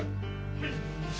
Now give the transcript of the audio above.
はい！